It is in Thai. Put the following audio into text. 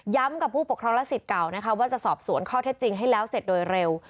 กับผู้ปกครองและสิทธิ์เก่านะคะว่าจะสอบสวนข้อเท็จจริงให้แล้วเสร็จโดยเร็ว